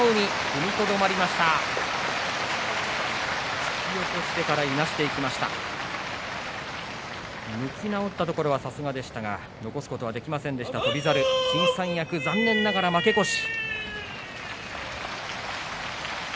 向き直ったところはさすがでしたが、残すことはできませんでした翔猿新三役、残念ながら負け越し。